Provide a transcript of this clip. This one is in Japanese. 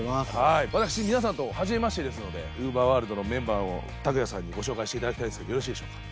私皆さんとはじめましてですのでＵＶＥＲｗｏｒｌｄのメンバーをＴＡＫＵＹＡ∞さんにご紹介していただきたいんですけどよろしいでしょうか？